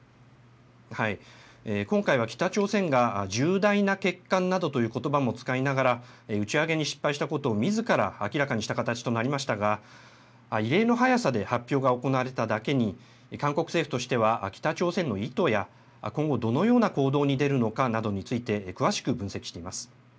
今回は、北朝鮮が重大な欠陥などということばも使いながら、打ち上げに失敗したことを、みずから明らかにした形となりましたが、異例の早さで発表が行われただけに、韓国政府としては北朝鮮の意図や、今後、どのような行動に出るのかなどについて詳しく分析しています。